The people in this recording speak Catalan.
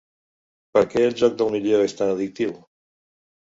Per què el joc del milió és tan addictiu?